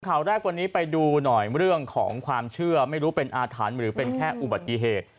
ข่าวแรกวันนี้ไปดูหน่อยเรื่องของความเชื่อไม่รู้เป็นอาถรรพ์หรือเป็นแค่อุบัติเหตุ